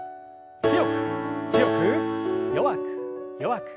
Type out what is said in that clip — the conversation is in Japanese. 強く強く弱く弱く。